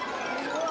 うわ！